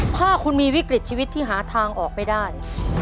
ถ้าคุณมีวิกฤตชีวิตที่หาทางออกไม่ได้